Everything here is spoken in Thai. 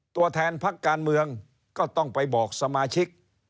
ตัวแทนพักการเมืองก็ต้องไปบอกสมาชิก